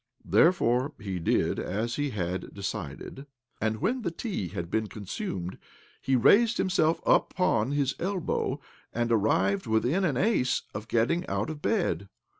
Therefore he did as he had decided ; and when the tea had been consumed he raised himself upon his elbow and arrived within an ace of getting out of bed.